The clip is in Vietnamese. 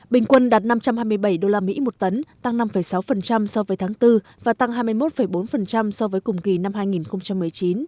bình quân đạt năm trăm hai mươi bảy usd một tấn tăng năm sáu so với tháng bốn và tăng hai mươi một bốn so với cùng kỳ năm hai nghìn một mươi chín